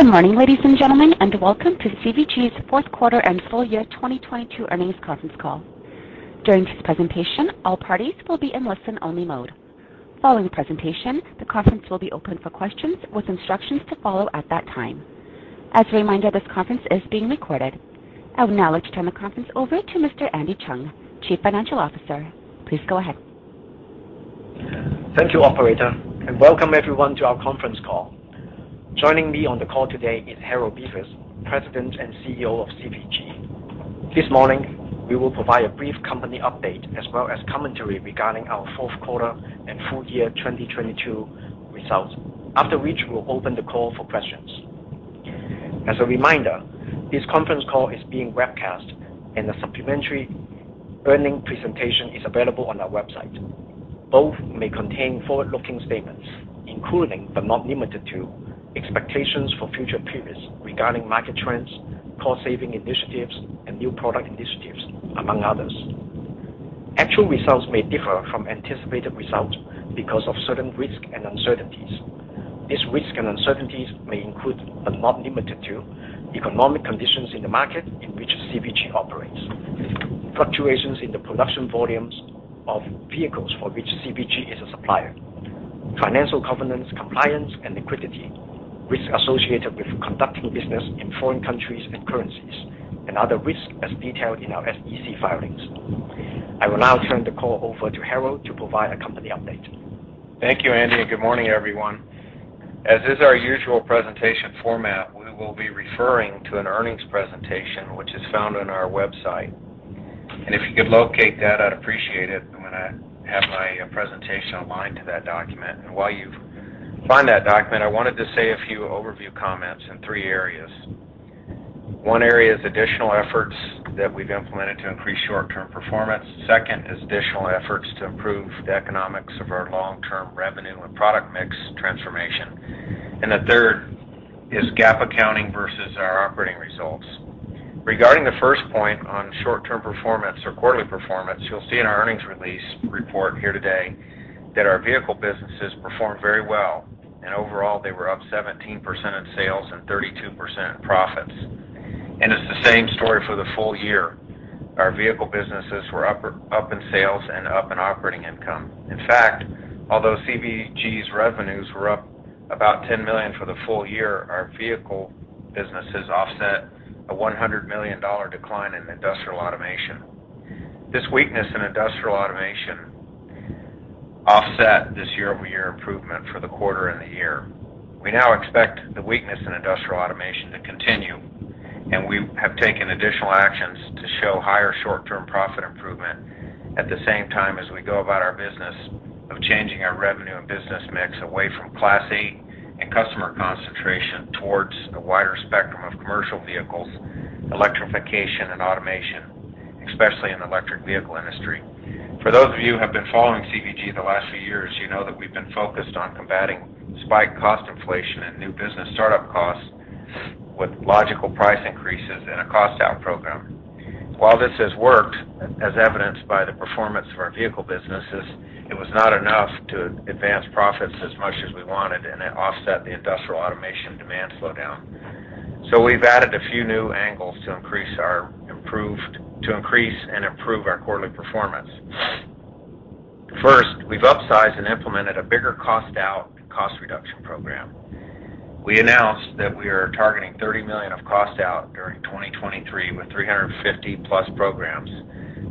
Good morning, ladies and gentlemen, welcome to CVG's fourth quarter and full year 2022 earnings conference call. During this presentation, all parties will be in listen-only mode. Following the presentation, the conference will be open for questions with instructions to follow at that time. As a reminder, this conference is being recorded. I would now like to turn the conference over to Mr. Andy Cheung, Chief Financial Officer. Please go ahead. Thank you, operator. Welcome everyone to our conference call. Joining me on the call today is Harold Bevis, President and CEO of CVG. This morning, we will provide a brief company update as well as commentary regarding our fourth quarter and full year 2022 results. After which, we'll open the call for questions. As a reminder, this conference call is being webcast and a supplementary earnings presentation is available on our website. Both may contain forward-looking statements, including, but not limited to, expectations for future periods regarding market trends, cost saving initiatives, and new product initiatives, among others. Actual results may differ from anticipated results because of certain risks and uncertainties. These risks and uncertainties may include, but not limited to, economic conditions in the market in which CVG operates. Fluctuations in the production volumes of vehicles for which CVG is a supplier. Financial governance, compliance, and liquidity. Risks associated with conducting business in foreign countries and currencies, and other risks as detailed in our SEC filings. I will now turn the call over to Harold to provide a company update. Thank you, Andy, and good morning, everyone. As is our usual presentation format, we will be referring to an earnings presentation, which is found on our website. If you could locate that, I'd appreciate it. I'm gonna have my presentation aligned to that document. While you find that document, I wanted to say a few overview comments in three areas. One area is additional efforts that we've implemented to increase short-term performance. Second is additional efforts to improve the economics of our long-term revenue and product mix transformation. The third is GAAP accounting versus our operating results. Regarding the first point on short-term performance or quarterly performance, you'll see in our earnings release report here today that our vehicle businesses performed very well, and overall, they were up 17% in sales and 32% in profits. It's the same story for the full year. Our vehicle businesses were up in sales and up in operating income. In fact, although CVG's revenues were up about $10 million for the full year, our vehicle businesses offset a $100 million decline in Industrial Automation. This weakness in Industrial Automation offset this year-over-year improvement for the quarter and the year. We now expect the weakness in Industrial Automation to continue, and we have taken additional actions to show higher short-term profit improvement at the same time as we go about our business of changing our revenue and business mix away from Class 8 and customer concentration towards a wider spectrum of commercial vehicles, electrification, and automation, especially in the electric vehicle industry. For those of you who have been following CVG the last few years, you know that we've been focused on combating spike cost inflation and new business startup costs with logical price increases and a cost-down program. While this has worked, as evidenced by the performance of our vehicle businesses, it was not enough to advance profits as much as we wanted, and it offset the Industrial Automation demand slowdown. We've added a few new angles to increase and improve our quarterly performance. First, we've upsized and implemented a bigger cost out cost reduction program. We announced that we are targeting $30 million of cost out during 2023 with 350+ programs.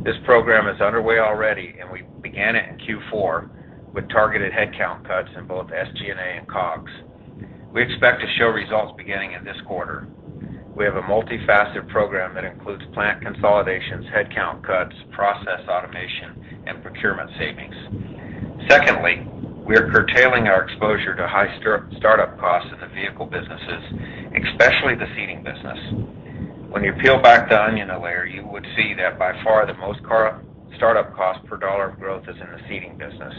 This program is underway already, and we began it in Q4 with targeted headcount cuts in both SG&A and COGS. We expect to show results beginning in this quarter. We have a multi-faceted program that includes plant consolidations, headcount cuts, process automation, and procurement savings. Secondly, we are curtailing our exposure to high startup costs in the vehicle businesses, especially the seating business. When you peel back the onion a layer, you would see that by far the most startup cost per dollar of growth is in the seating business.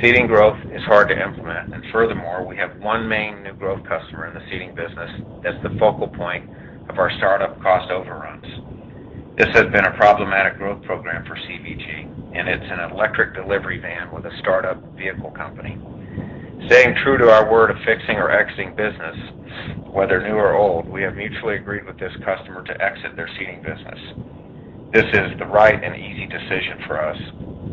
Seating growth is hard to implement, and furthermore, we have one main new growth customer in the seating business as the focal point of our startup cost overruns. This has been a problematic growth program for CVG, and it's an electric delivery van with a startup vehicle company. Staying true to our word of fixing or exiting business, whether new or old, we have mutually agreed with this customer to exit their seating business. This is the right and easy decision for us.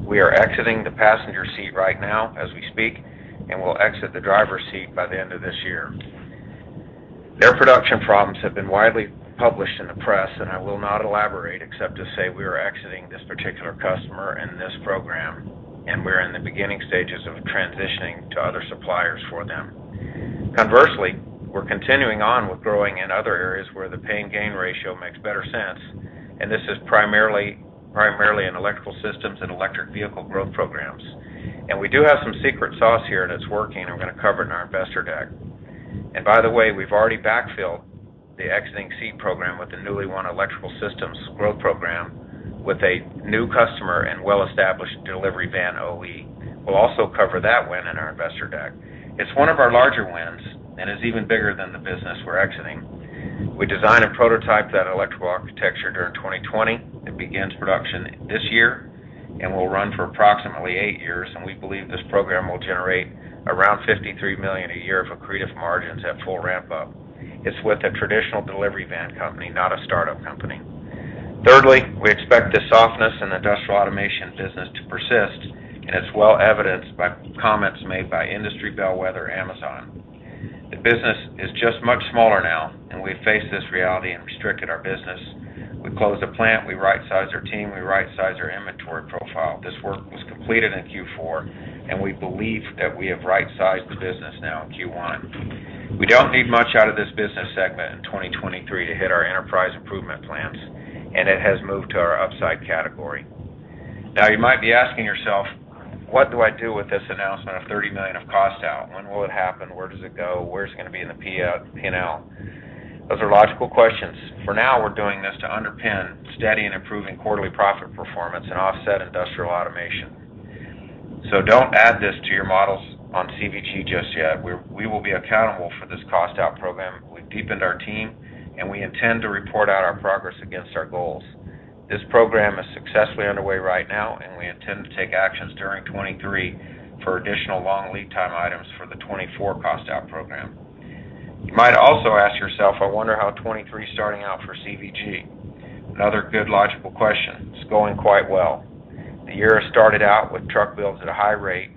We are exiting the passenger seat right now as we speak, and we'll exit the driver's seat by the end of this year. Their production problems have been widely published in the press, and I will not elaborate except to say we are exiting this particular customer and this program, and we're in the beginning stages of transitioning to other suppliers for them. Conversely, we're continuing on with growing in other areas where the pain gain ratio makes better sense, and this is primarily in Electrical Systems and electric vehicle growth programs. We do have some secret sauce here, and it's working. I'm gonna cover it in our investor deck. By the way, we've already backfilled the exiting seat program with the newly won Electrical Systems growth program with a new customer and well-established delivery van OE. We'll also cover that win in our investor deck. It's one of our larger wins and is even bigger than the business we're exiting. We designed and prototyped that electrical architecture during 2020. It begins production this year. It will run for approximately eight years, and we believe this program will generate around $53 million a year of accretive margins at full ramp up. It's with a traditional delivery van company, not a startup company. Thirdly, we expect the softness in Industrial Automation business to persist, and it's well evidenced by comments made by industry bellwether Amazon. The business is just much smaller now, and we face this reality and restricted our business. We closed a plant, we right-sized our team, we right-sized our inventory profile. This work was completed in Q4, and we believe that we have right-sized the business now in Q1. We don't need much out of this business segment in 2023 to hit our enterprise improvement plans. It has moved to our upside category. You might be asking yourself, what do I do with this announcement of $30 million of cost out? When will it happen? Where does it go? Where's it going to be in the P&L? Those are logical questions. We're doing this to underpin steady and improving quarterly profit performance and offset Industrial Automation. Don't add this to your models on CVG just yet. We will be accountable for this cost out program. We've deepened our team. We intend to report out our progress against our goals. This program is successfully underway right now. We intend to take actions during 2023 for additional long lead time items for the 2024 cost out program. You might also ask yourself, I wonder how 2023's starting out for CVG? Another good, logical question. It's going quite well. The year started out with truck builds at a high rate,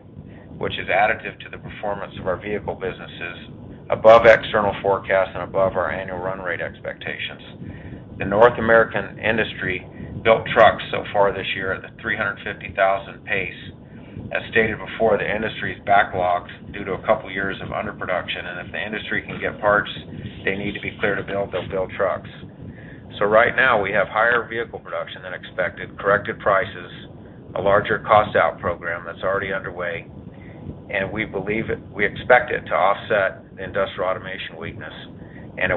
which is additive to the performance of our vehicle businesses above external forecasts and above our annual run rate expectations. The North American industry built trucks so far this year at the 350,000 pace. As stated before, the industry is backlogged due to a couple years of underproduction. If the industry can get parts they need to be clear to build, they'll build trucks. Right now, we have higher vehicle production than expected, corrected prices, a larger cost out program that's already underway, and we expect it to offset Industrial Automation weakness. A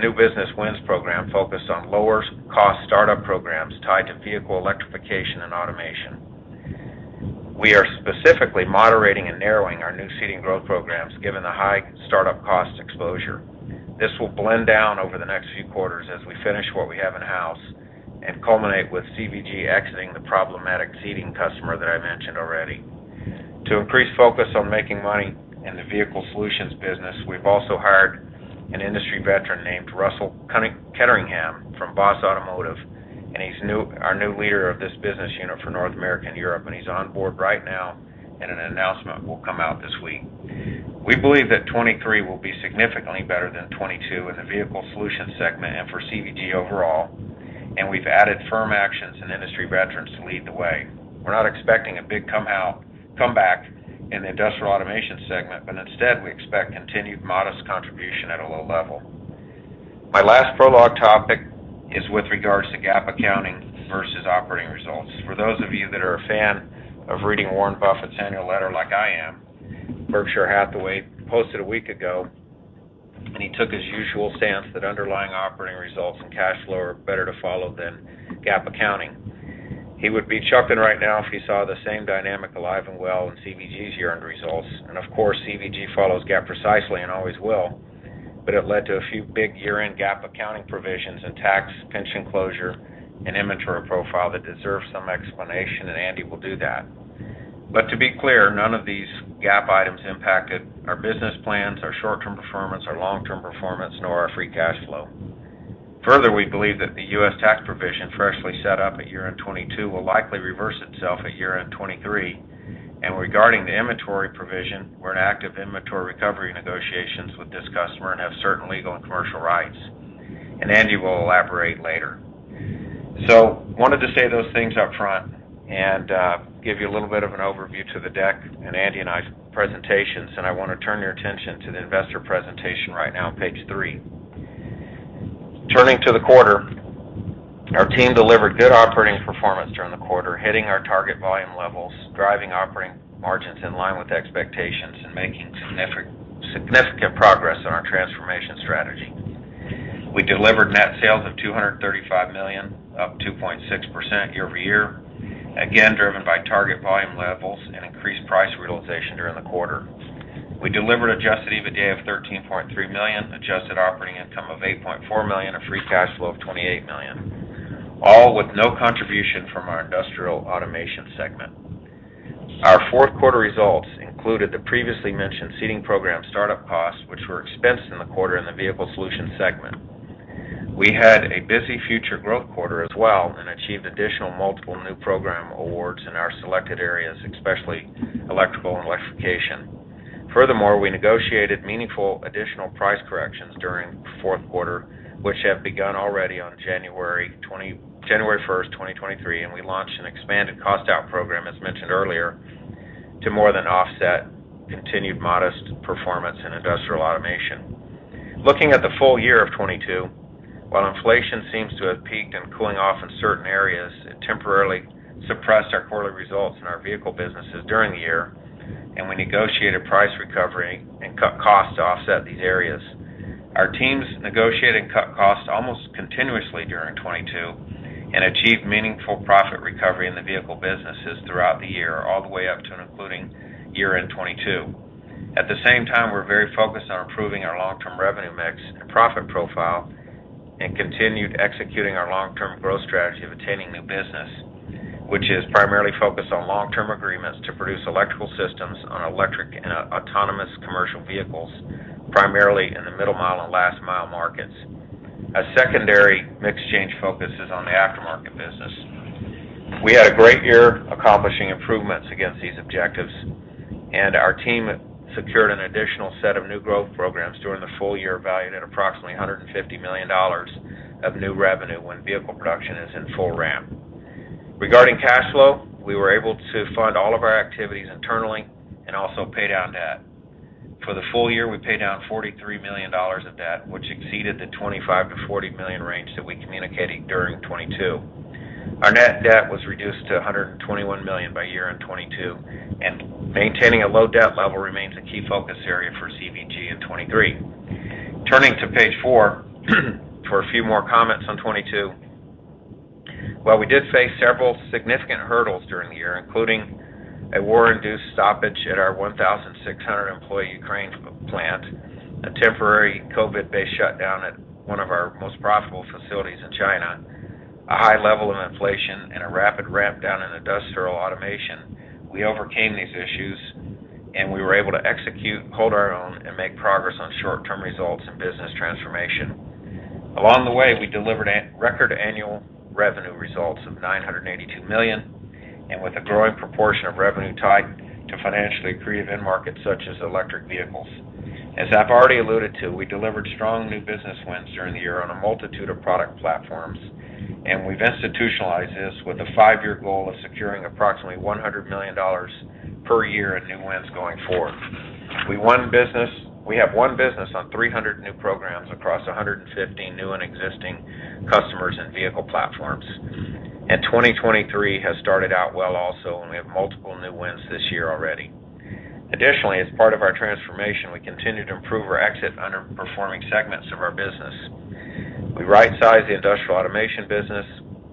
new business wins program focused on lower cost startup programs tied to vehicle electrification and automation. We are specifically moderating and narrowing our new seating growth programs given the high start-up cost exposure. This will blend down over the next few quarters as we finish what we have in-house and culminate with CVG exiting the problematic seating customer that I mentioned already. To increase focus on making money in the Vehicle Solutions business, we've also hired an industry veteran named Russell Ketteringham from BOS Automotive. He's our new leader of this business unit for North America and Europe. He's on board right now. An announcement will come out this week. We believe that 2023 will be significantly better than 2022 in the Vehicle Solutions segment and for CVG overall. We've added firm actions and industry veterans to lead the way. We're not expecting a big comeback in the Industrial Automation segment. Instead, we expect continued modest contribution at a low level. My last prologue topic is with regards to GAAP accounting versus operating results. For those of you that are a fan of reading Warren Buffett's annual letter like I am, Berkshire Hathaway posted a week ago. He took his usual stance that underlying operating results and cash flow are better to follow than GAAP accounting. He would be chuckling right now if he saw the same dynamic alive and well in CVG's year-end results. Of course, CVG follows GAAP precisely and always will. It led to a few big year-end GAAP accounting provisions and tax, pension closure, and inventory profile that deserves some explanation. Andy will do that. To be clear, none of these GAAP items impacted our business plans, our short-term performance, our long-term performance, nor our free cash flow. Further, we believe that the U.S. tax provision freshly set up at year-end 2022 will likely reverse itself at year-end 2023. Regarding the inventory provision, we're in active inventory recovery negotiations with this customer and have certain legal and commercial rights. Andy will elaborate later. Wanted to say those things up front and give you a little bit of an overview to the deck in Andy and I's presentations, and I wanna turn your attention to the investor presentation right now on page 3. Turning to the quarter, our team delivered good operating performance during the quarter, hitting our target volume levels, driving operating margins in line with expectations, and making significant progress on our transformation strategy. We delivered net sales of $235 million, up 2.6% year-over-year, again, driven by target volume levels and increased price realization during the quarter. We delivered adjusted EBITDA of $13.3 million, adjusted operating income of $8.4 million, and free cash flow of $28 million, all with no contribution from our Industrial Automation segment. Our fourth quarter results included the previously mentioned seating program start-up costs, which were expensed in the quarter in the Vehicle Solutions segment. We had a busy future growth quarter as well and achieved additional multiple new program awards in our selected areas, especially electrical and electrification. We negotiated meaningful additional price corrections during fourth quarter, which have begun already on January 1st, 2023. We launched an expanded cost out program, as mentioned earlier, to more than offset continued modest performance in Industrial Automation. Looking at the full year of 2022, while inflation seems to have peaked and cooling off in certain areas, it temporarily suppressed our quarterly results in our vehicle businesses during the year. We negotiated price recovery and cut costs to offset these areas. Our teams negotiated cut costs almost continuously during 2022 and achieved meaningful profit recovery in the vehicle businesses throughout the year, all the way up to and including year-end 2022. At the same time, we're very focused on improving our long-term revenue mix and profit profile and continued executing our long-term growth strategy of attaining new business, which is primarily focused on long-term agreements to produce Electrical Systems on electric and autonomous commercial vehicles, primarily in the middle mile and last mile markets. A secondary mix change focus is on the aftermarket business. We had a great year accomplishing improvements against these objectives, and our team secured an additional set of new growth programs during the full year valued at approximately $150 million of new revenue when vehicle production is in full ramp. Regarding cash flow, we were able to fund all of our activities internally and also pay down debt. For the full year, we paid down $43 million of debt, which exceeded the $25 million-$40 million range that we communicated during 2022. Our net debt was reduced to $121 million by year-end 2022, and maintaining a low debt level remains a key focus area for CVG in 2023. Turning to page 4, for a few more comments on 2022. While we did face several significant hurdles during the year, including a war-induced stoppage at our 1,600 employee Ukraine plant, a temporary COVID-based shutdown at one of our most profitable facilities in China, a high level of inflation and a rapid ramp down in Industrial Automation, we overcame these issues and we were able to execute, hold our own, and make progress on short-term results and business transformation. Along the way, we delivered record annual revenue results of $982 million, with a growing proportion of revenue tied to financially accretive end markets such as electric vehicles. As I've already alluded to, we delivered strong new business wins during the year on a multitude of product platforms, we've institutionalized this with a five-year goal of securing approximately $100 million per year in new wins going forward. We have won business on 300 new programs across 150 new and existing customers and vehicle platforms. 2023 has started out well also, and we have multiple new wins this year already. Additionally, as part of our transformation, we continue to improve or exit underperforming segments of our business. We right-sized the Industrial Automation business.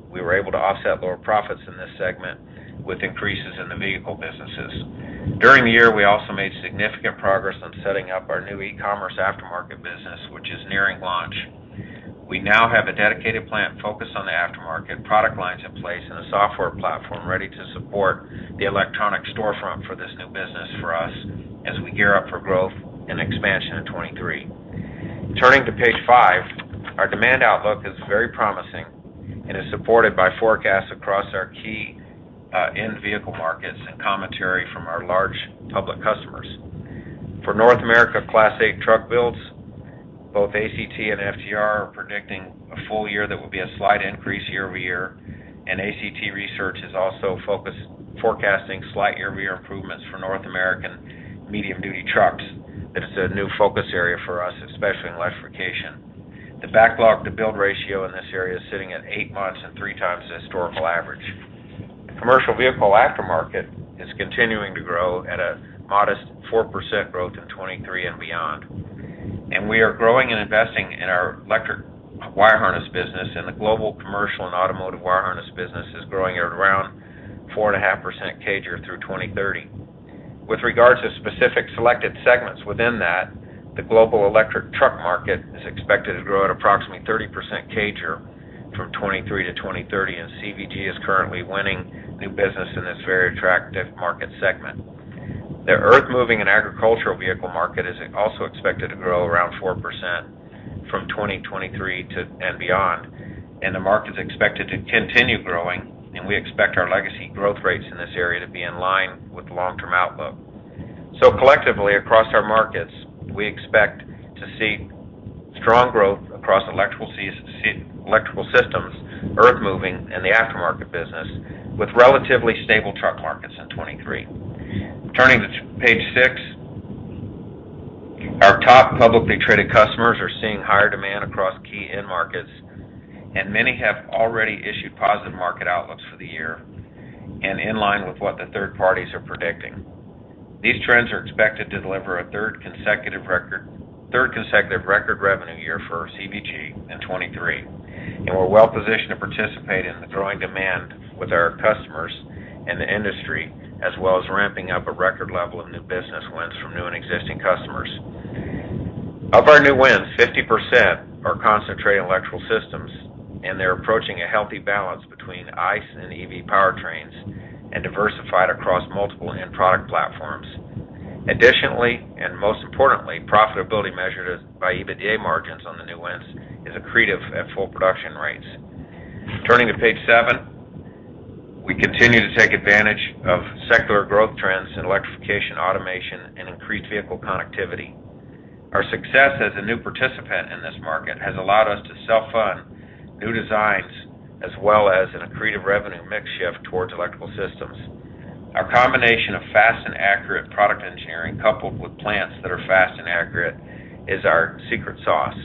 We were able to offset lower profits in this segment with increases in the vehicle businesses. During the year, we also made significant progress on setting up our new e-commerce Aftermarket business, which is nearing launch. We now have a dedicated plant focused on the Aftermarket, product lines in place, and a software platform ready to support the electronic storefront for this new business for us as we gear up for growth and expansion in 2023. Turning to page 5. Our demand outlook is very promising and is supported by forecasts across our key end vehicle markets and commentary from our large public customers. For North America Class 8 truck builds, both ACT and FTR are predicting a full year that will be a slight increase year-over-year, and ACT Research is also forecasting slight year-over-year improvements for North American medium-duty trucks. That is a new focus area for us, especially in electrification. The backlog-to-build ratio in this area is sitting at 8 months and 3 times the historical average. The commercial vehicle aftermarket is continuing to grow at a modest 4% growth in 2023 and beyond. We are growing and investing in our electric wire harness business, and the global commercial and automotive wire harness business is growing at around 4.5% CAGR through 2030. With regards to specific selected segments within that, the global electric truck market is expected to grow at approximately 30% CAGR from 2023 to 2030. CVG is currently winning new business in this very attractive market segment. The earthmoving and agricultural vehicle market is also expected to grow around 4% from 2023 and beyond. The market is expected to continue growing. We expect our legacy growth rates in this area to be in line with the long-term outlook. Collectively across our markets, we expect to see strong growth across Electrical Systems, earthmoving, and the aftermarket business, with relatively stable truck markets in 2023. Turning to page 6. Our top publicly traded customers are seeing higher demand across key end markets. Many have already issued positive market outlooks for the year and in line with what the third parties are predicting. These trends are expected to deliver a third consecutive record revenue year for CVG in 2023. We're well positioned to participate in the growing demand with our customers and the industry, as well as ramping up a record level of new business wins from new and existing customers. Of our new wins, 50% are concentrated in Electrical Systems. They're approaching a healthy balance between ICE and EV powertrains and diversified across multiple end product platforms. Additionally, and most importantly, profitability measured by EBITDA margins on the new wins is accretive at full production rates. Turning to page 7. We continue to take advantage of secular growth trends in electrification, automation, and increased vehicle connectivity. Our success as a new participant in this market has allowed us to self-fund new designs as well as an accretive revenue mix shift towards Electrical Systems. Our combination of fast and accurate product engineering, coupled with plants that are fast and accurate, is our secret sauce.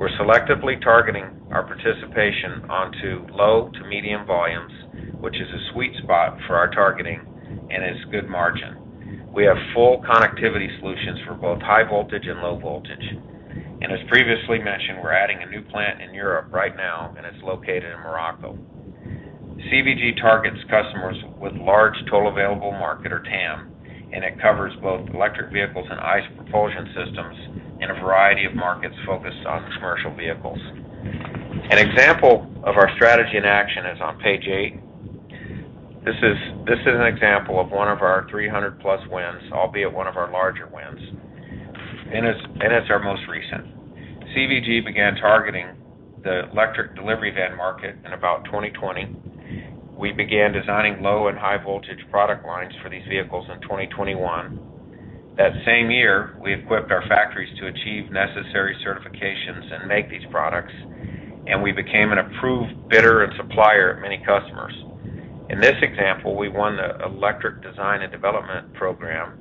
We're selectively targeting our participation onto low to medium volumes, which is a sweet spot for our targeting and is good margin. We have full connectivity solutions for both high voltage and low voltage. As previously mentioned, we're adding a new plant in Europe right now, and it's located in Morocco. CVG targets customers with large total available market or TAM, and it covers both electric vehicles and ICE propulsion systems in a variety of markets focused on commercial vehicles. An example of our strategy in action is on page 8. This is an example of one of our 300+ wins, albeit one of our larger wins, it's our most recent. CVG began targeting the electric delivery van market in about 2020. We began designing low and high voltage product lines for these vehicles in 2021. That same year, we equipped our factories to achieve necessary certifications and make these products, we became an approved bidder and supplier of many customers. In this example, we won the electric design and development program.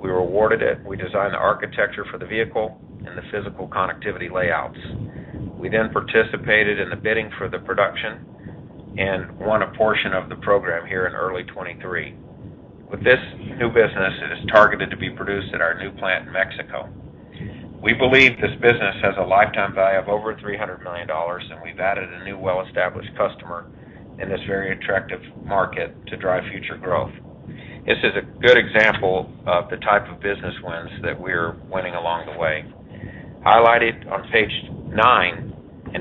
We were awarded it. We designed the architecture for the vehicle and the physical connectivity layouts. We participated in the bidding for the production and won a portion of the program here in early 2023. With this new business, it is targeted to be produced at our new plant in Mexico. We believe this business has a lifetime value of over $300 million, and we've added a new well-established customer in this very attractive market to drive future growth. This is a good example of the type of business wins that we're winning along the way. Highlighted on page nine,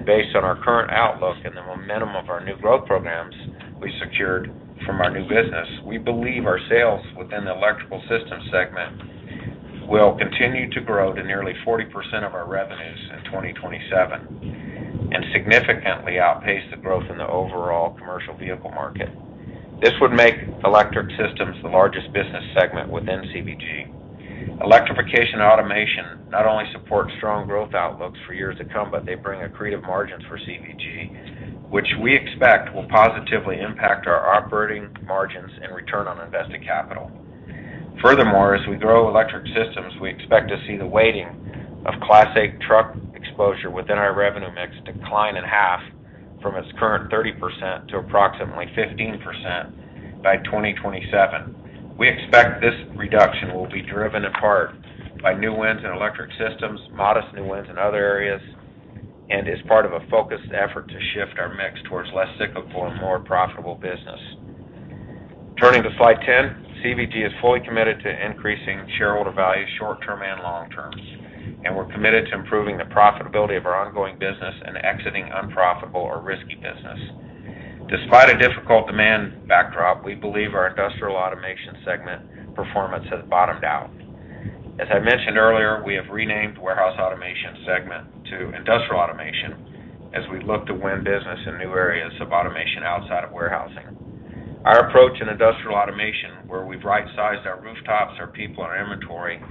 Based on our current outlook and the momentum of our new growth programs we secured from our new business, we believe our sales within the Electrical Systems segment will continue to grow to nearly 40% of our revenues in 2027 and significantly outpace the growth in the overall commercial vehicle market. This would make Electrical Systems the largest business segment within CVG. Electrification and automation not only support strong growth outlooks for years to come, but they bring accretive margins for CVG, which we expect will positively impact our operating margins and return on invested capital. As we grow Electrical Systems, we expect to see the weighting of Class 8 truck exposure within our revenue mix decline in half from its current 30% to approximately 15% by 2027. We expect this reduction will be driven in part by new wins in Electrical Systems, modest new wins in other areas, and as part of a focused effort to shift our mix towards less cyclical and more profitable business. Turning to slide 10. CVG is fully committed to increasing shareholder value short-term and long-term, we're committed to improving the profitability of our ongoing business and exiting unprofitable or risky business. Despite a difficult demand backdrop, we believe our Industrial Automation segment performance has bottomed out. As I mentioned earlier, we have renamed Warehouse Automation segment to Industrial Automation as we look to win business in new areas of automation outside of warehousing. Our approach in Industrial Automation, where we've rightsized our rooftops, our people, and our inventory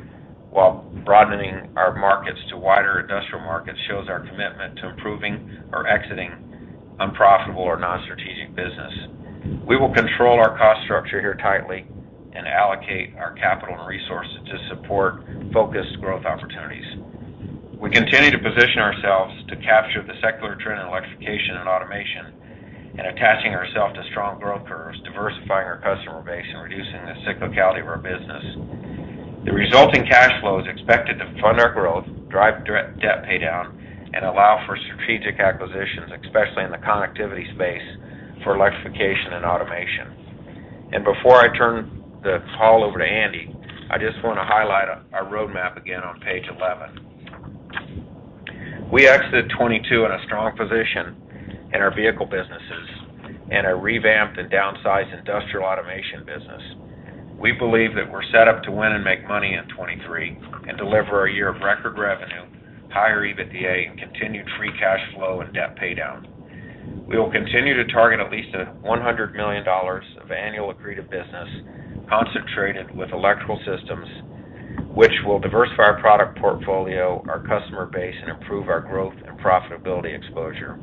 while broadening our markets to wider industrial markets, shows our commitment to improving or exiting unprofitable or non-strategic business. We will control our cost structure here tightly and allocate our capital and resources to support focused growth opportunities. We continue to position ourselves to capture the secular trend in electrification and automation and attaching ourselves to strong growth curves, diversifying our customer base, and reducing the cyclicality of our business. The resulting cash flow is expected to fund our growth, drive debt paydown, and allow for strategic acquisitions, especially in the connectivity space for electrification and automation. Before I turn the call over to Andy, I just wanna highlight our roadmap again on page 11. We exited 2022 in a strong position in our vehicle businesses and a revamped and downsized Industrial Automation business. We believe that we're set up to win and make money in 2023 and deliver a year of record revenue, higher EBITDA, and continued free cash flow and debt paydown. We will continue to target at least a $100 million of annual accretive business concentrated with Electrical Systems, which will diversify our product portfolio, our customer base, and improve our growth and profitability exposure.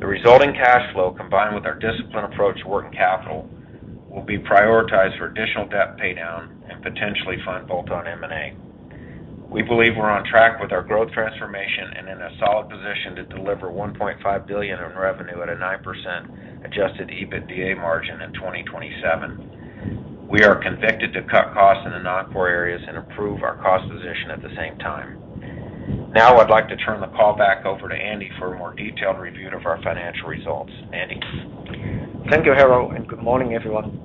The resulting cash flow, combined with our disciplined approach to working capital, will be prioritized for additional debt paydown and potentially fund bolt-on M&A. We believe we're on track with our growth transformation and in a solid position to deliver $1.5 billion in revenue at a 9% adjusted EBITDA margin in 2027. We are convicted to cut costs in the non-core areas and improve our cost position at the same time. I'd like to turn the call back over to Andy for a more detailed review of our financial results. Andy? Thank you, Harold. Good morning, everyone.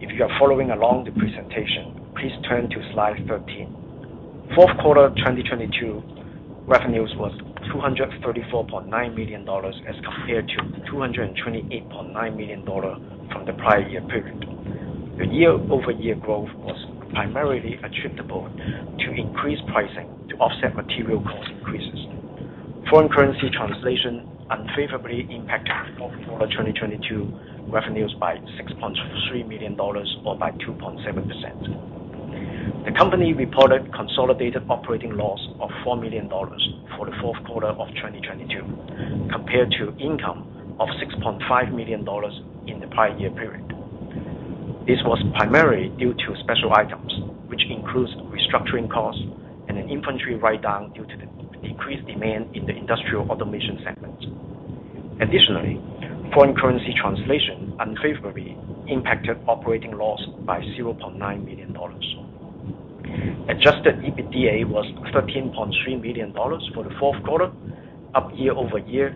If you are following along the presentation, please turn to slide 13. Fourth quarter 2022 revenues was $234.9 million as compared to $228.9 million from the prior year period. The year-over-year growth was primarily attributable to increased pricing to offset material cost increases. Foreign currency translation unfavorably impacted fourth quarter 2022 revenues by $6.3 million or by 2.7%. The company reported consolidated operating loss of $4 million for the fourth quarter of 2022, compared to income of $6.5 million in the prior year period. This was primarily due to special items, which includes restructuring costs and an inventory write-down due to the decreased demand in the Industrial Automation segment. Additionally, foreign currency translation unfavorably impacted operating loss by $0.9 million. Adjusted EBITDA was $13.3 million for the fourth quarter, up year-over-year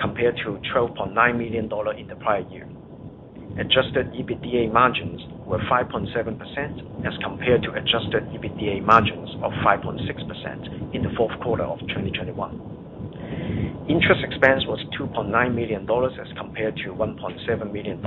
compared to $12.9 million in the prior year. Adjusted EBITDA margins were 5.7% as compared to Adjusted EBITDA margins of 5.6% in the fourth quarter of 2021. Interest expense was $2.9 million as compared to $1.7 million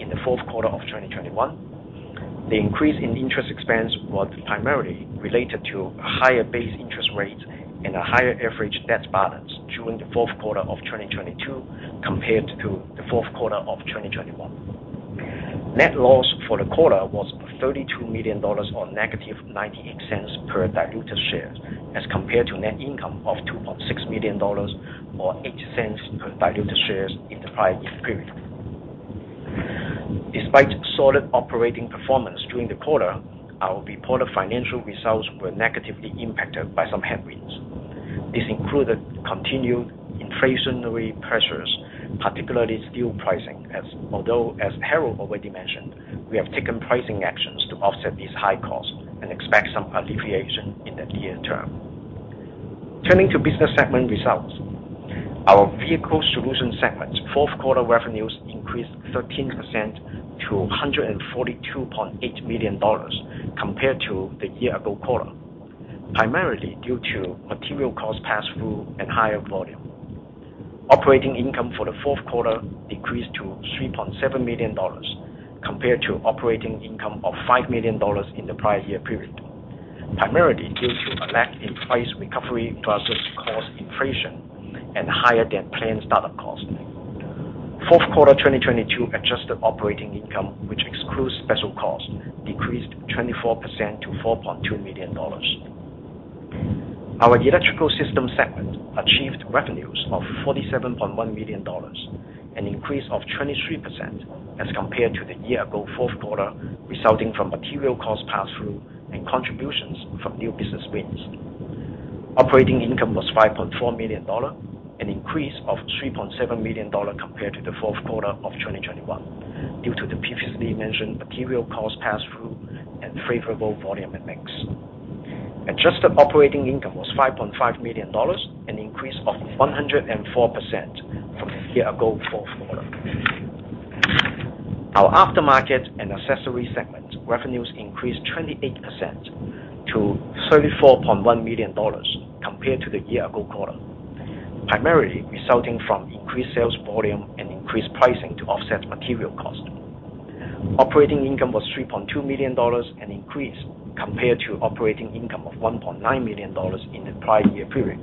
in the fourth quarter of 2021. The increase in interest expense was primarily related to higher base interest rates and a higher average debt balance during the fourth quarter of 2022 compared to the fourth quarter of 2021. Net loss for the quarter was $32 million or negative $0.98 per diluted shares as compared to net income of $2.6 million or $0.08 per diluted shares in the prior year period. Despite solid operating performance during the quarter, our reported financial results were negatively impacted by some headwinds. This included continued inflationary pressures, particularly steel pricing, as although, as Harold already mentioned, we have taken pricing actions to offset these high costs and expect some alleviation in the near term. Turning to business segment results. Our Vehicle Solutions segment fourth quarter revenues increased 13% to $142.8 million compared to the year ago quarter, primarily due to material cost pass-through and higher volume. Operating income for the fourth quarter decreased to $3.7 million compared to operating income of $5 million in the prior year period, primarily due to a lack in price recovery versus cost inflation and higher-than-planned startup costs. Fourth quarter 2022 adjusted operating income, which excludes special costs, decreased 24% to $4.2 million. Our Electrical Systems segment achieved revenues of $47.1 million, an increase of 23% as compared to the year ago fourth quarter, resulting from material cost pass-through and contributions from new business wins. Operating income was $5.4 million, an increase of $3.7 million compared to the fourth quarter of 2021 due to the previously mentioned material cost pass-through and favorable volume and mix. Adjusted operating income was $5.5 million, an increase of 104% from the year-ago fourth quarter. Our Aftermarket & Accessories segment revenues increased 28% to $34.1 million compared to the year-ago quarter, primarily resulting from increased sales volume and increased pricing to offset material cost. Operating income was $3.2 million, an increase compared to operating income of $1.9 million in the prior year period.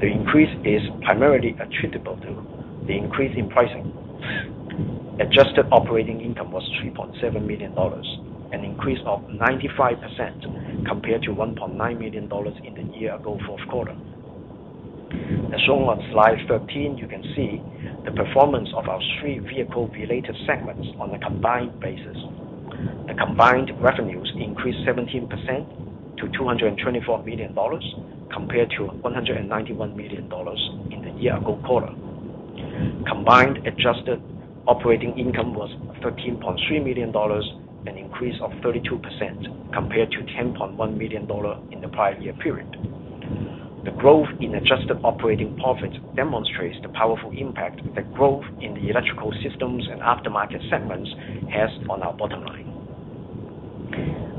The increase is primarily attributable to the increase in pricing. Adjusted operating income was $3.7 million, an increase of 95% compared to $1.9 million in the year-ago fourth quarter. As shown on slide 13, you can see the performance of our three vehicle-related segments on a combined basis. The combined revenues increased 17% to $224 million compared to $191 million in the year ago quarter. Combined adjusted operating income was $13.3 million, an increase of 32% compared to $10.1 million in the prior year period. The growth in adjusted operating profits demonstrates the powerful impact the growth in the Electrical Systems and Aftermarket segments has on our bottom line.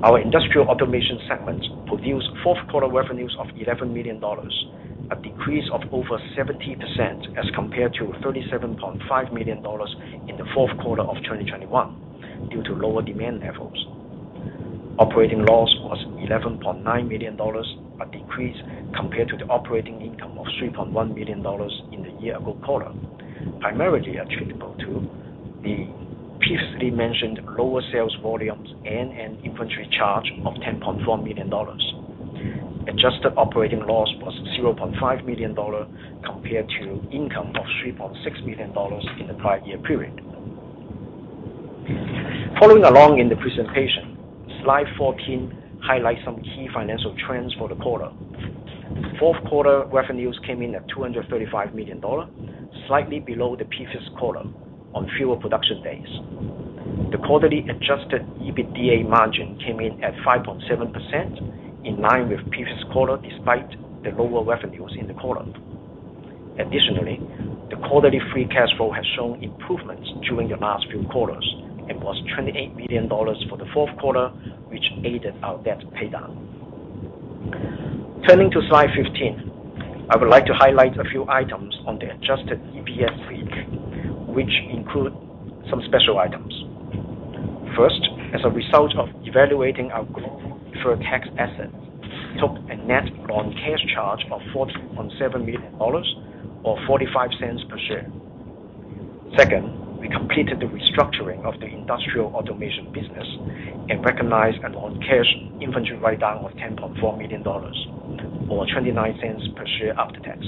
Our Industrial Automation segment produced fourth quarter revenues of $11 million, a decrease of over 70% as compared to $37.5 million in the fourth quarter of 2021 due to lower demand levels. Operating loss was $11.9 million, a decrease compared to the operating income of $3.1 million in the year ago quarter, primarily attributable to the previously mentioned lower sales volumes and an inventory charge of $10.4 million. Adjusted operating loss was $0.5 million compared to income of $3.6 million in the prior year period. Following along in the presentation, slide 14 highlights some key financial trends for the quarter. Fourth quarter revenues came in at $235 million, slightly below the previous quarter on fewer production days. The quarterly adjusted EBITDA margin came in at 5.7%, in line with previous quarter despite the lower revenues in the quarter. The quarterly free cash flow has shown improvements during the last few quarters and was $28 million for the fourth quarter, which aided our debt paydown. Turning to slide 15, I would like to highlight a few items on the adjusted EPS sheet, which include some special items. First, as a result of evaluating our global deferred tax assets, took a net non-cash charge of $40.7 million or $0.45 per share. Second, we completed the restructuring of the Industrial Automation business and recognized a non-cash inventory write-down of $10.4 million or $0.29 per share after tax.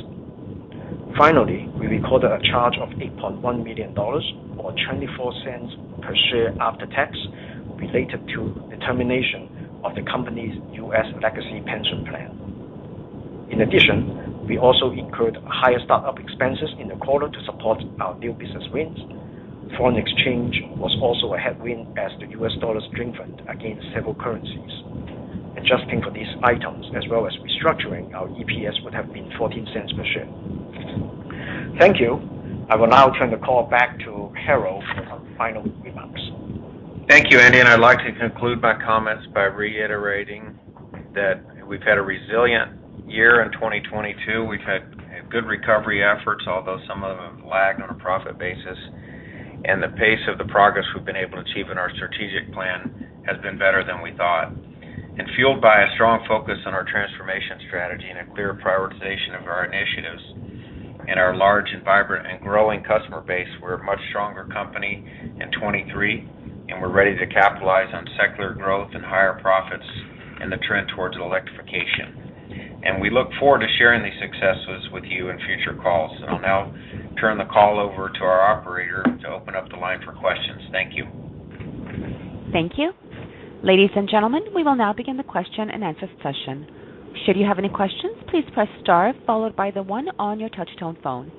Finally, we recorded a charge of $8.1 million or $0.24 per share after tax related to the termination of the company's U.S. legacy pension plan. We also incurred higher start-up expenses in the quarter to support our new business wins. Foreign exchange was also a headwind as the U.S. dollar strengthened against several currencies. Adjusting for these items as well as restructuring, our EPS would have been $0.14 per share. Thank you. I will now turn the call back to Harold for final remarks. Thank you, Andy, I'd like to conclude my comments by reiterating that we've had a resilient year in 2022. We've had good recovery efforts, although some of them lagged on a profit basis, and the pace of the progress we've been able to achieve in our strategic plan has been better than we thought. Fueled by a strong focus on our transformation strategy and a clear prioritization of our initiatives and our large and vibrant and growing customer base, we're a much stronger company in 2023, and we're ready to capitalize on secular growth and higher profits and the trend towards electrification. We look forward to sharing these successes with you in future calls. I'll now turn the call over to our operator to open up the line for questions. Thank you. Thank you. Ladies and gentlemen, we will now begin the question-and-answer session. Should you have any questions, please press star followed by the one on your touch tone phone.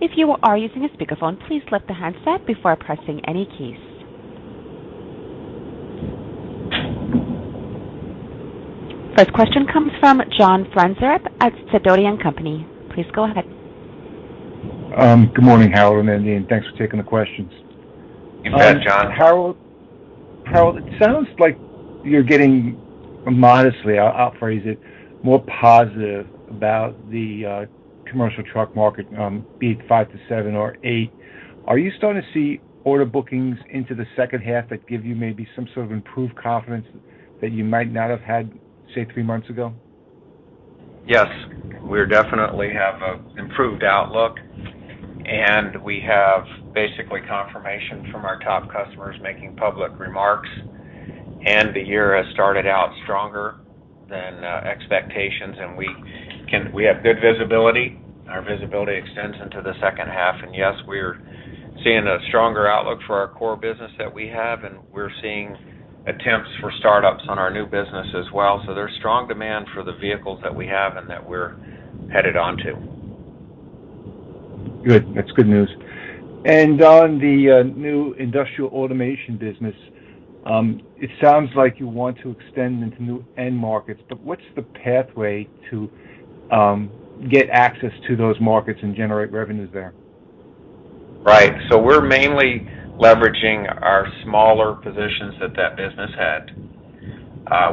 If you are using a speakerphone, please lift the handset before pressing any keys. First question comes from John Franzreb at Sidoti & Company. Please go ahead. Good morning, Harold and Andy, and thanks for taking the questions. You bet, John. Harold, it sounds like you're getting modestly, I'll phrase it, more positive about the commercial truck market, be it 5 to 7 or 8. Are you starting to see order bookings into the second half that give you maybe some sort of improved confidence that you might not have had, say, three months ago? Yes, we definitely have a improved outlook, and we have basically confirmation from our top customers making public remarks. The year has started out stronger than expectations, and we have good visibility. Our visibility extends into the second half. Yes, we're seeing a stronger outlook for our core business that we have, and we're seeing attempts for startups on our new business as well. There's strong demand for the vehicles that we have and that we're headed on to. Good. That's good news. On the new Industrial Automation business, it sounds like you want to extend into new end markets, but what's the pathway to get access to those markets and generate revenues there? Right. We're mainly leveraging our smaller positions that business had.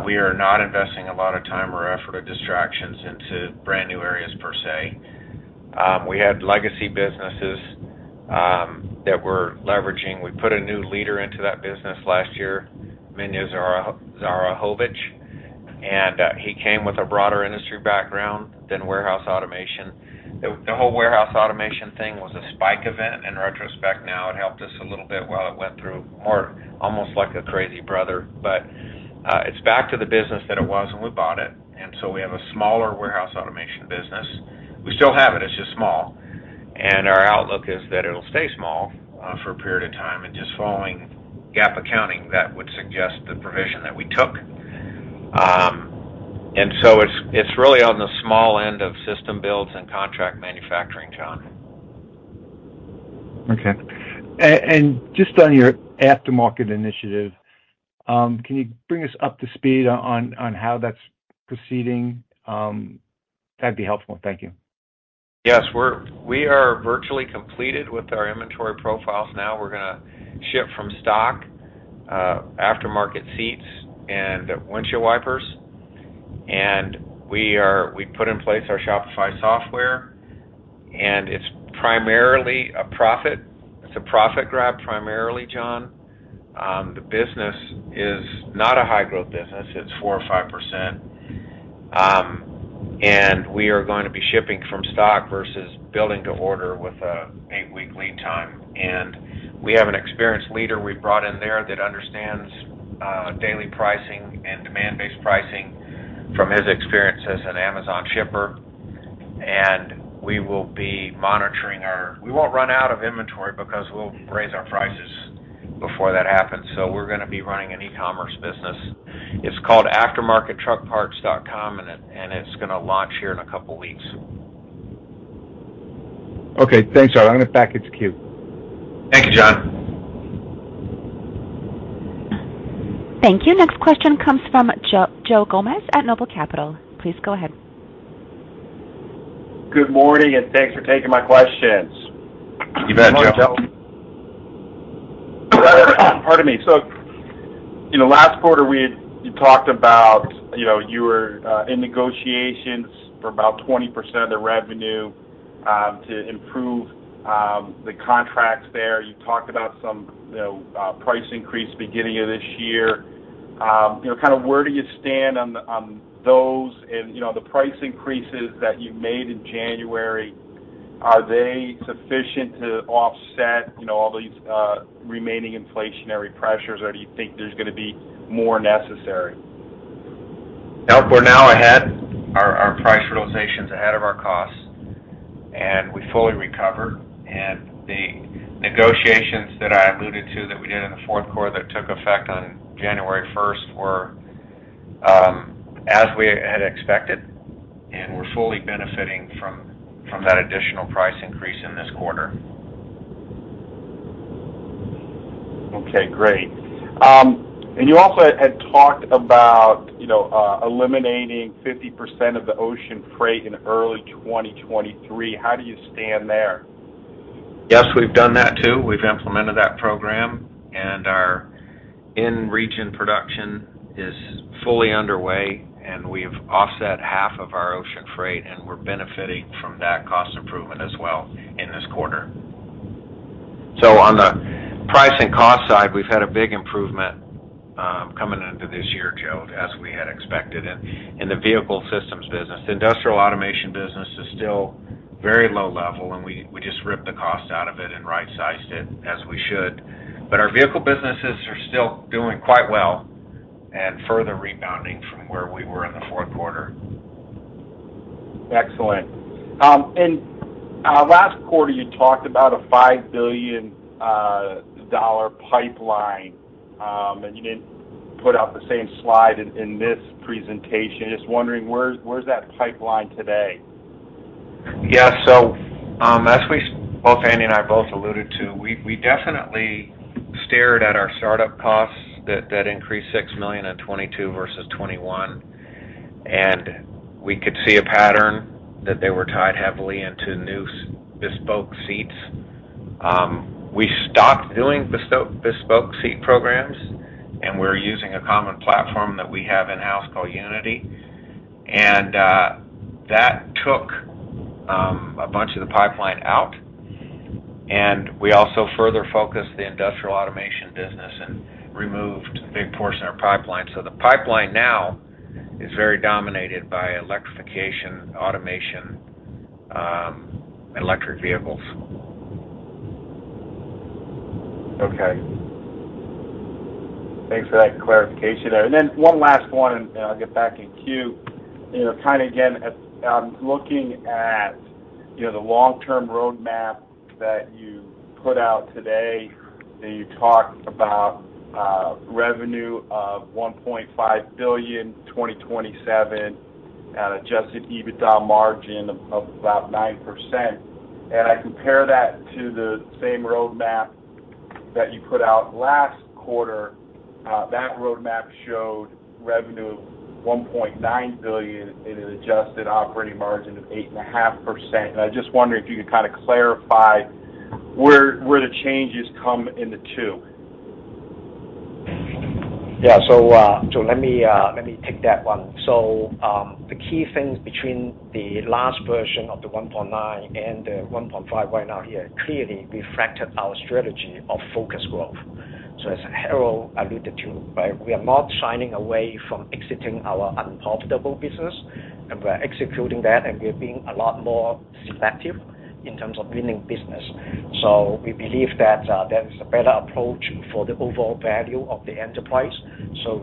We are not investing a lot of time or effort or distractions into brand-new areas per se. We had legacy businesses that we're leveraging. We put a new leader into that business last year, Minja Zahirovic, and he came with a broader industry background than warehouse automation. The whole warehouse automation thing was a spike event. In retrospect now, it helped us a little bit while it went through more, almost like a crazy brother. It's back to the business that it was when we bought it. We have a smaller warehouse automation business. We still have it's just small. Our outlook is that it'll stay small for a period of time. Just following GAAP accounting, that would suggest the provision that we took. It's really on the small end of system builds and contract manufacturing, John. Okay. Just on your aftermarket initiative, can you bring us up to speed on how that's proceeding? That'd be helpful. Thank you. Yes. We are virtually completed with our inventory profiles now. We're gonna ship from stock, aftermarket seats and windshield wipers. We put in place our Shopify software, and it's primarily a profit. It's a profit grab primarily, John. The business is not a high-growth business. It's 4% or 5%. We are gonna be shipping from stock versus building to order with an 8-week lead time. We have an experienced leader we brought in there that understands, daily pricing and demand-based pricing from his experience as an Amazon shipper. We will be monitoring. We won't run out of inventory because we'll raise our prices before that happens. We're gonna be running an e-commerce business. It's called AftermarketTruckParts.com, and it's gonna launch here in a couple weeks. Okay, thanks. I'm gonna back it to queue. Thank you, John. Thank you. Next question comes from Joe Gomes at Noble Capital. Please go ahead. Good morning, and thanks for taking my questions. You bet, Joe. Good morning, Joe. Pardon me. You know, last quarter, you talked about, you know, you were in negotiations for about 20% of the revenue to improve the contracts there. You talked about some, you know, price increase beginning of this year. You know, kind of where do you stand on those? You know, the price increases that you made in January, are they sufficient to offset, you know, all these remaining inflationary pressures, or do you think there's gonna be more necessary? No. For now, ahead. Our price realization's ahead of our costs. We fully recovered. The negotiations that I alluded to that we did in the fourth quarter that took effect on January first were as we had expected, and we're fully benefiting from that additional price increase in this quarter. Okay, great. You also had talked about, you know, eliminating 50% of the ocean freight in early 2023. How do you stand there? Yes, we've done that too. We've implemented that program. Our in-region production is fully underway. We've offset half of our ocean freight. We're benefiting from that cost improvement as well in this quarter. On the price and cost side, we've had a big improvement coming into this year, Joe, as we had expected in the vehicle systems business. The Industrial Automation business is still very low level. We just ripped the cost out of it and right-sized it as we should. Our vehicle businesses are still doing quite well and further rebounding from where we were in the fourth quarter. Excellent. Last quarter, you talked about a $5 billion pipeline, and you didn't put out the same slide in this presentation. Just wondering where's that pipeline today? Yeah. As both Andy and I both alluded to, we definitely stared at our startup costs that increased $6 million in 2022 versus 2021. We could see a pattern that they were tied heavily into new bespoke seats. We stopped doing bespoke seat programs, and we're using a common platform that we have in-house called Unity. That took a bunch of the pipeline out. We also further focused the Industrial Automation business and removed a big portion of our pipeline. The pipeline now is very dominated by electrification, automation, electric vehicles. Okay. Thanks for that clarification there. Then one last one, I'll get back in queue. You know, kind of again, looking at, you know, the long-term roadmap that you put out today, and you talked about revenue of $1.5 billion 2027 at adjusted EBITDA margin of about 9%. I compare that to the same roadmap that you put out last quarter, that roadmap showed revenue of $1.9 billion in an adjusted operating margin of 8.5%. I just wonder if you could kinda clarify where the changes come in the two. Yeah. Let me take that one. The key things between the last version of the 1.9 and the 1.5 right now here clearly reflected our strategy of focused growth. As Harold alluded to, right? We are not shying away from exiting our unprofitable business, and we're executing that, and we're being a lot more selective in terms of winning business. We believe that that is a better approach for the overall value of the enterprise.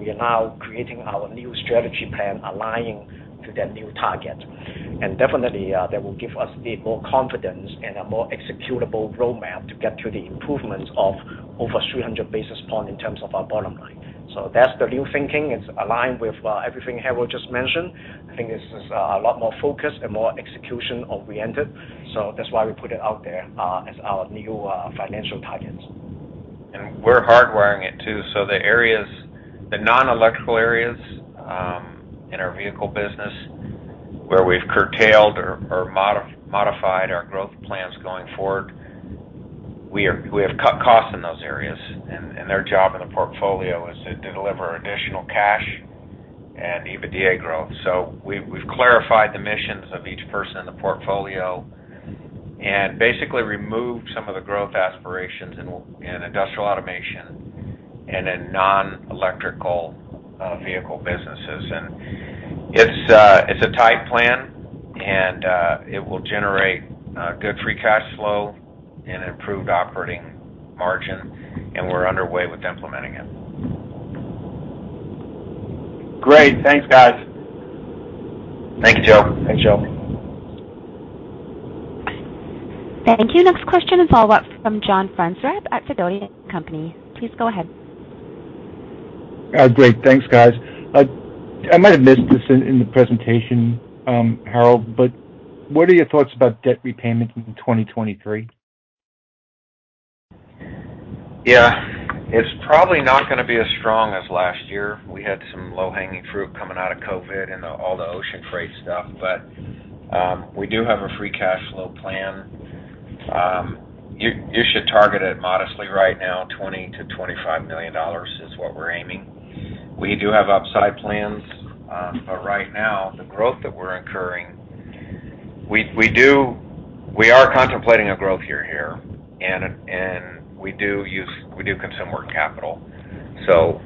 We are now creating our new strategy plan aligning to that new target. Definitely, that will give us the more confidence and a more executable roadmap to get to the improvements of over 300 basis points in terms of our bottom line. That's the new thinking. It's aligned with everything Harold just mentioned. I think this is a lot more focused and more execution oriented. That's why we put it out there, as our new financial targets. We're hardwiring it too. The areas, the non-electrical areas, in our vehicle business where we've curtailed or modified our growth plans going forward, we have cut costs in those areas. Their job in the portfolio is to deliver additional cash and EBITDA growth. We've, we've clarified the missions of each person in the portfolio and basically removed some of the growth aspirations in Industrial Automation and in non-electrical vehicle businesses. It's a tight plan, and it will generate good free cash flow and improved operating margin, and we're underway with implementing it. Great. Thanks, guys. Thank you, Joe. Thanks, Joe. Thank you. Next question is follow-up from John Franzreb at Sidoti & Company. Please go ahead. Great. Thanks, guys. I might have missed this in the presentation, Harold. What are your thoughts about debt repayment in 2023? Yeah. It's probably not gonna be as strong as last year. We had some low-hanging fruit coming out of COVID and the, all the ocean freight stuff. We do have a free cash flow plan. You should target it modestly right now, $20 million-$25 million is what we're aiming. We do have upside plans. Right now, the growth that we're incurring, we are contemplating a growth year here, and we do consume more capital.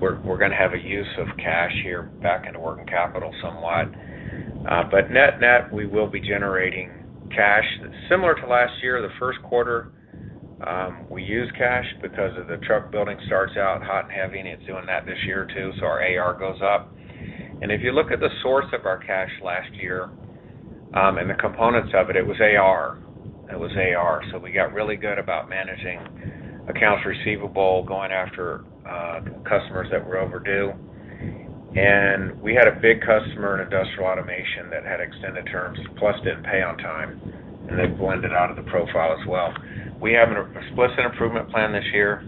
We're gonna have a use of cash here back into working capital somewhat. Net-net, we will be generating cash that's similar to last year, the first quarter. We use cash because of the truck building starts out hot and heavy, and it's doing that this year too, so our AR goes up. If you look at the source of our cash last year, and the components of it was AR. We got really good about managing accounts receivable, going after customers that were overdue. We had a big customer in Industrial Automation that had extended terms, plus didn't pay on time, and they blended out of the profile as well. We have an explicit improvement plan this year.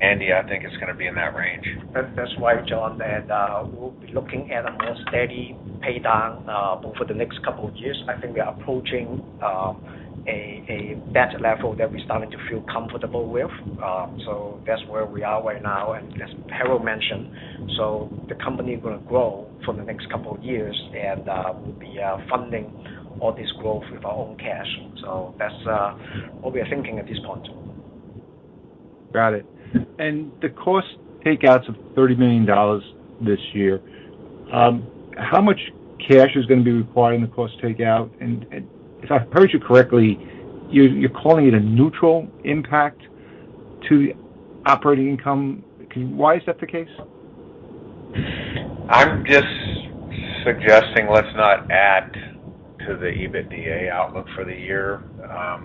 Andy, I think it's gonna be in that range. That's right, John, that we'll be looking at a more steady pay down over the next couple of years. I think we are approaching a better level that we're starting to feel comfortable with. That's where we are right now. As Harold mentioned, so the company is gonna grow for the next couple of years, and we'll be funding all this growth with our own cash. That's what we are thinking at this point. Got it. The cost takeouts of $30 million this year, how much cash is gonna be required in the cost takeout? If I heard you correctly, you're calling it a neutral impact to operating income. Why is that the case? I'm just suggesting let's not add to the EBITDA outlook for the year.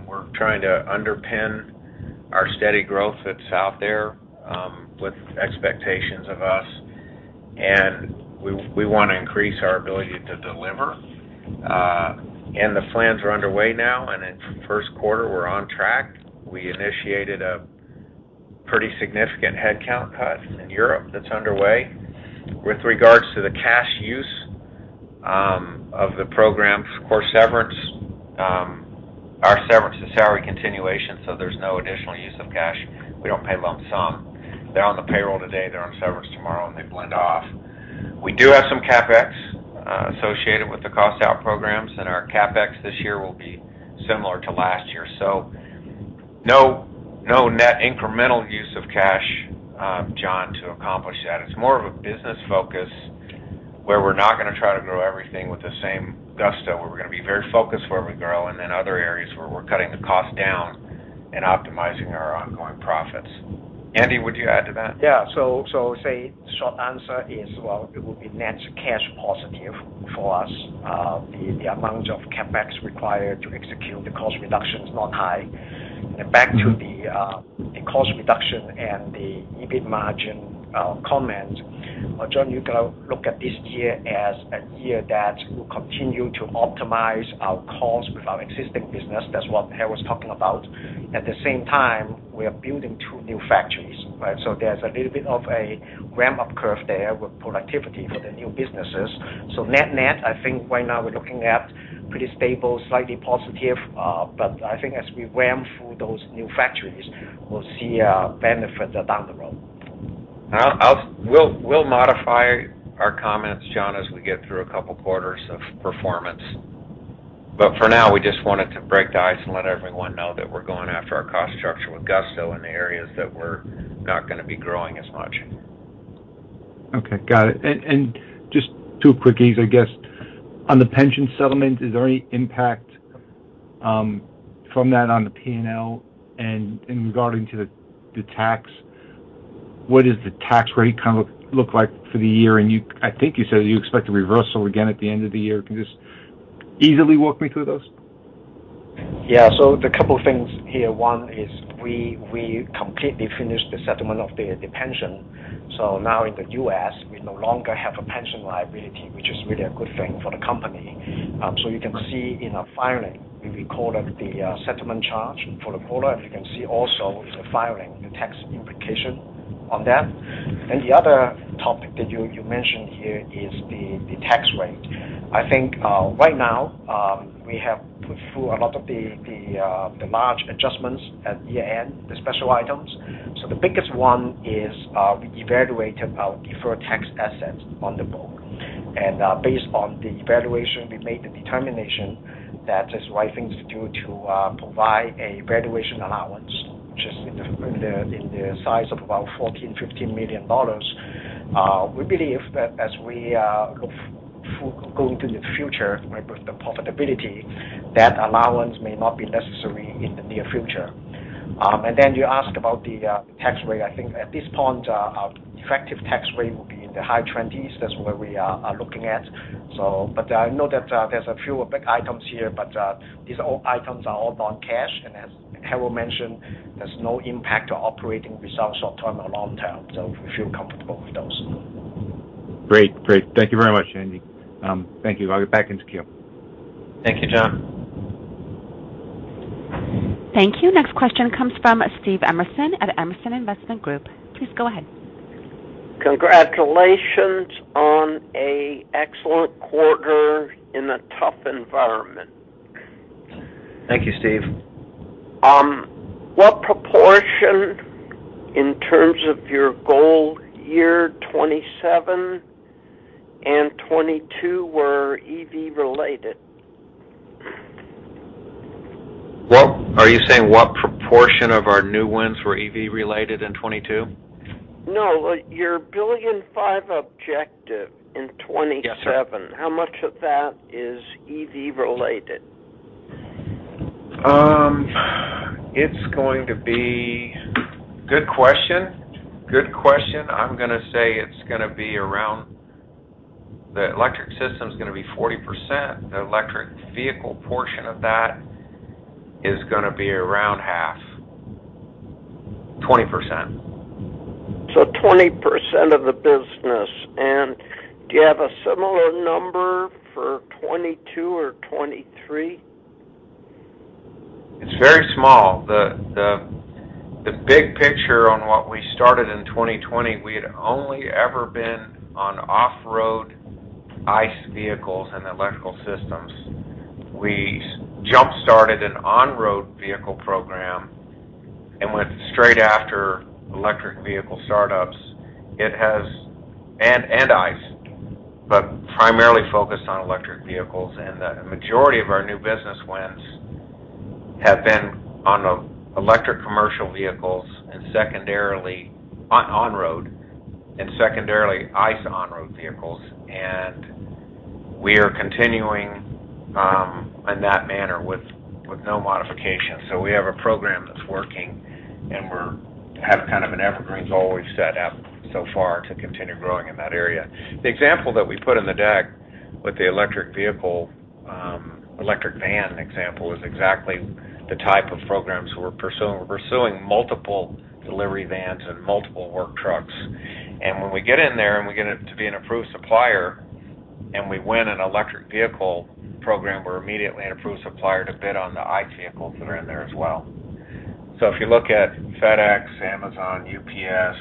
We're trying to underpin our steady growth that's out there, with expectations of us, and we wanna increase our ability to deliver. The plans are underway now, and in first quarter, we're on track. We initiated a pretty significant headcount cut in Europe that's underway. With regards to the cash use of the programs, of course, severance. Our severance is salary continuation, so there's no additional use of cash. We don't pay lump sum. They're on the payroll today, they're on severance tomorrow, and they blend off. We do have some CapEx associated with the cost out programs, and our CapEx this year will be similar to last year. No net incremental use of cash, John, to accomplish that. It's more of a business focus where we're not gonna try to grow everything with the same gusto. We're gonna be very focused where we grow and in other areas where we're cutting the cost down and optimizing our ongoing profits. Andy, would you add to that? Short answer is, well, it would be net cash positive for us. The amount of CapEx required to execute the cost reduction is not high. Back to the cost reduction and the EBIT margin comment, John, you gotta look at this year as a year that will continue to optimize our cost with our existing business. That's what Harold was talking about. At the same time, we are building two new factories, right? There's a little bit of a ramp-up curve there with productivity for the new businesses. Net-net, I think right now we're looking at pretty stable, slightly positive. I think as we ramp through those new factories, we'll see benefits down the road. We'll modify our comments, John, as we get through a couple quarters of performance. For now, we just wanted to break the ice and let everyone know that we're going after our cost structure with gusto in the areas that we're not gonna be growing as much. Okay. Got it. Just two quickies, I guess. On the pension settlement, is there any impact from that on the P&L? In regarding to the tax, what is the tax rate kinda look like for the year? I think you said you expect a reversal again at the end of the year. Can you just easily walk me through those? The couple things here, one is we completely finished the settlement of the pension. Now in the U.S., we no longer have a pension liability, which is really a good thing for the company. You can see in our filing, we recorded the settlement charge for the quarter. You can see also in the filing the tax implication on that. The other topic that you mentioned here is the tax rate. I think right now, we have put through a lot of the large adjustments at year-end, the special items. The biggest one is we evaluated our deferred tax assets on the book. Based on the evaluation, we made the determination that it's right thing to do to provide a valuation allowance, which is in the size of about $14 million-$15 million. We believe that as we go into the future, right, with the profitability, that allowance may not be necessary in the near future. You ask about the tax rate. I think at this point, our effective tax rate will be in the high 20s. That's where we are looking at. I know that there's a few big items here, but these items are all non-cash. As Harold mentioned, there's no impact to operating results short-term or long-term, we feel comfortable with those. Great. Great. Thank you very much, Andy. Thank you. I'll get back into queue. Thank you, John. Thank you. Next question comes from Steve Emerson at Emerson Investment Group. Please go ahead. Congratulations on a excellent quarter in a tough environment. Thank you, Steve. What proportion in terms of your goal year 2027 and 2022 were EV-related? Are you saying what proportion of our new wins were EV-related in 2022? No, your $1.5 billion objective in 2027- Yes, sir. How much of that is EV related? Good question. Good question. I'm going to say it's going to be around the Electrical Systems is going to be 40%. The electric vehicle portion of that is going to be around half, 20%. 20% of the business. Do you have a similar number for 2022 or 2023? It's very small. The big picture on what we started in 2020, we had only ever been on off-road ICE vehicles and Electrical Systems. We jumpstarted an on-road vehicle program and went straight after electric vehicle startups. It has. ICE, but primarily focused on electric vehicles. The majority of our new business wins have been on electric commercial vehicles and secondarily on on-road, and secondarily ICE on-road vehicles. We are continuing in that manner with no modification. We have a program that's working, and we have kind of an evergreen goal we've set out so far to continue growing in that area. The example that we put in the deck with the electric vehicle, electric van example is exactly the type of programs we're pursuing. We're pursuing multiple delivery vans and multiple work trucks. When we get in there and we get it to be an approved supplier and we win an electric vehicle program, we're immediately an approved supplier to bid on the ICE vehicles that are in there as well. If you look at FedEx, Amazon, UPS,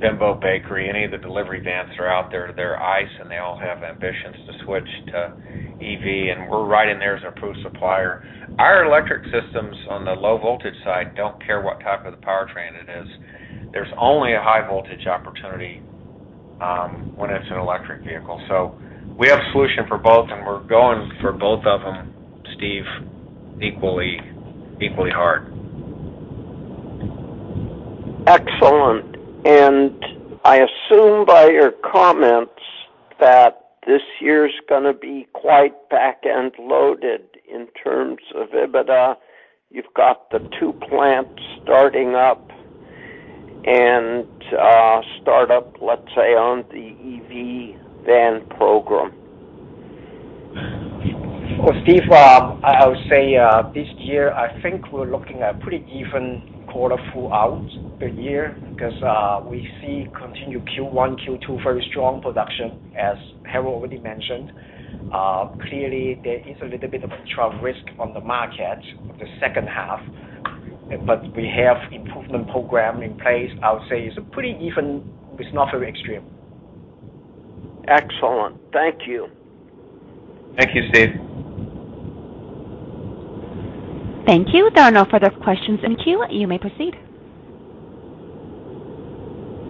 Bimbo Bakery, any of the delivery vans that are out there, they're ICE, and they all have ambitions to switch to EV, and we're right in there as an approved supplier. Our electric systems on the low voltage side don't care what type of the powertrain it is. There's only a high voltage opportunity when it's an electric vehicle. We have a solution for both, and we're going for both of them, Steve, equally hard. Excellent. I assume by your comments that this year's gonna be quite back end loaded in terms of EBITDA. You've got the two plants starting up and, start up, let's say, on the EV van program. Well, Steve, I would say, this year, I think we're looking at pretty even quarter full out the year 'cause, we see continued Q1, Q2, very strong production, as Harold already mentioned. Clearly there is a little bit of a trough risk on the market the second half, but we have improvement program in place. I would say it's a pretty even... It's not very extreme. Excellent. Thank you. Thank you, Steve. Thank you. There are no further questions in queue. You may proceed.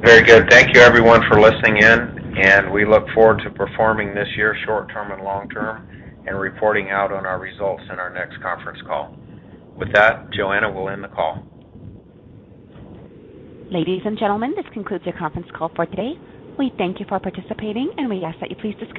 Very good. Thank you everyone for listening in, and we look forward to performing this year short term and long term and reporting out on our results in our next conference call. With that, Joanna will end the call. Ladies and gentlemen, this concludes your conference call for today. We thank you for participating, we ask that you please disconnect.